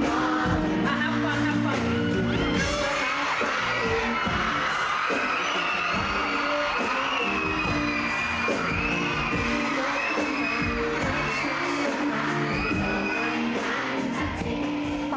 เอาครับฟัง